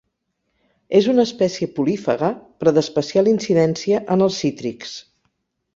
És una espècie polífaga, però d'especial incidència en els cítrics.